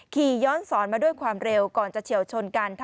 ขี่ย้อนสอนมาด้วยความเร็วก่อนจะเฉียวชนกัน